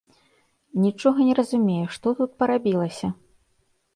Нічога не разумею, што тут парабілася?